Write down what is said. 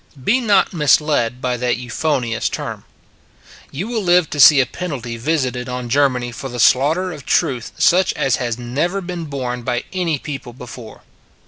Be not misled by that euphonious term. You will live to see a penalty visited on Germany for the slaughter of Truth such as has never been borne by any people before.